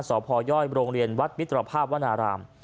สพยโรงเรียนวัดมิตรภาพวนาราม